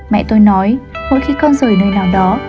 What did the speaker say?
mẹ tôi nói mỗi khi con rời nơi nào đó